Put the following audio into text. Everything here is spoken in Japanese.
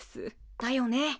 だよね。